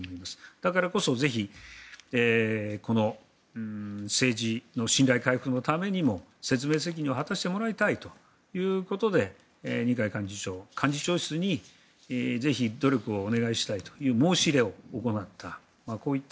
だからこそぜひこの政治の信頼回復のためにも説明責任を果たしてもらいたいということで二階幹事長の幹事長室にぜひ努力をしてもらいたいという申し入れを行った。